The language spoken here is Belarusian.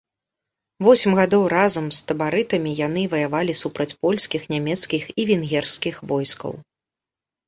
Восем гадоў разам з табарытамі яны ваявалі супраць польскіх, нямецкіх і венгерскіх войскаў.